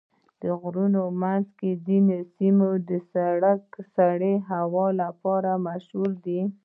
د غرونو منځ کې ځینې سیمې د سړې هوا لپاره مشهوره دي.